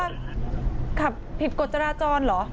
มันถามว่าขับผิดกฎจราจรเหรอ